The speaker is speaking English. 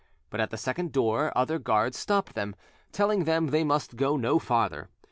But at the second door other guards stopped them, telling them they must go no farther.